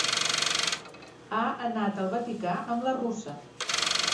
Ha anat al Vaticà amb la russa.